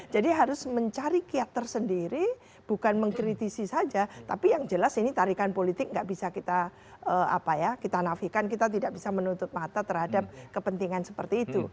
jadi harus mencari kiat tersendiri bukan mengkritisi saja tapi yang jelas ini tarikan politik tidak bisa kita apa ya kita nafikan kita tidak bisa menuntut mata terhadap kepentingan seperti itu